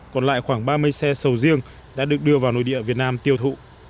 còn lại khoảng ba mươi xe sầu riêng đã được đưa vào nội địa việt nam tiêu thụ